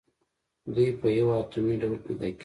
دوی په یو اتومي ډول پیداکیږي.